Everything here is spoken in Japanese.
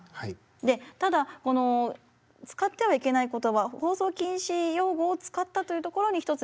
でただこの使ってはいけない言葉放送禁止用語を使ったというところに一つ